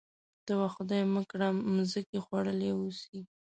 ته وا خدای مه کړه مځکې خوړلي اوسي.